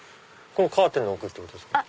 カーテンの奥ってことですか？